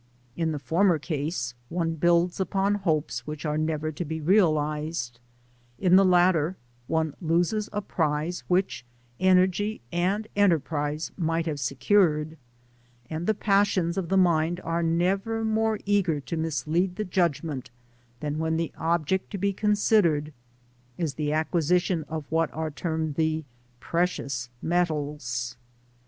In the former case, one builds upon hopes which are never to be realised ; in the latter, one loses a prize which energy and enterprise might have secured; and the passions of the mind are never more eager to mislead the judgment, than when the object to be considered is the acquisition of what are termed the *' precious metals.'